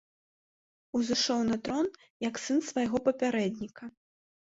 Узышоў на трон як сын свайго папярэдніка.